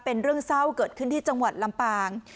เป็นเรื่องเศร้าเกิดขึ้นที่จังหวัดลำปาง